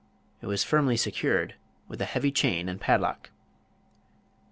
It was firmly secured with a heavy chain and padlock.